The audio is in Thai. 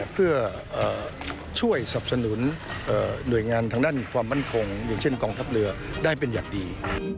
เพื่อช่วยสับสนุนหน่วยงานทางด้านความมั่นคงอย่างเช่นกองทัพเรือได้เป็นอย่างดี